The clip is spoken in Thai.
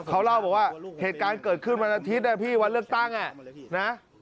เขาเล่าบอกว่าเหตุการณ์เกิดขึ้นวันอาทิตย์นะพี่วันเลือกตั้งนะ